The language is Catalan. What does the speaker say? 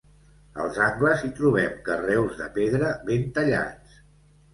Als angles hi trobem carreus de pedra ben tallats.